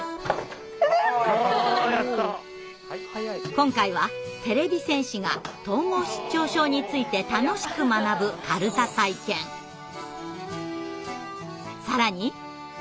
今回はてれび戦士が統合失調症について楽しく学ぶ更に。